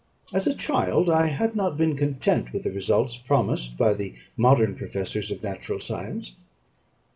As a child, I had not been content with the results promised by the modern professors of natural science.